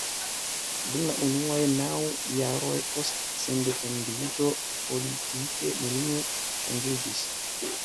Dum la unuaj naŭ jaroj post sendependiĝo politike nenio ŝanĝiĝis.